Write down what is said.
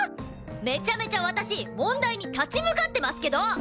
めちゃめちゃ私問題に立ち向かってますけど！？